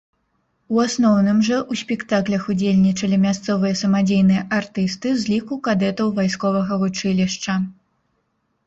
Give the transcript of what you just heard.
У асноўным жа ў спектаклях ўдзельнічалі мясцовыя самадзейныя артысты з ліку кадэтаў вайсковага вучылішча.